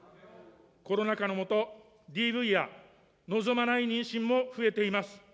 コロナ禍の下、ＤＶや望まない妊娠も増えています。